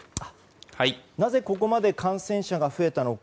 なぜここまで感染者が増えたのか